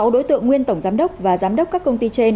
sáu đối tượng nguyên tổng giám đốc và giám đốc các công ty trên